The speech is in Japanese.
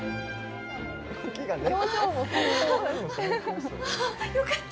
まあよかった！